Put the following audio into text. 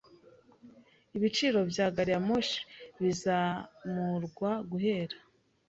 Ibiciro bya gari ya moshi bizamurwa guhera